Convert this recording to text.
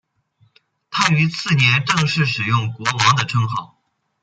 他于次年正式使用国王的称号。